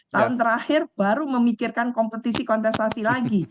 tahun terakhir baru memikirkan kompetisi kontestasi lagi